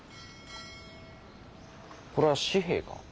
これは紙幣か？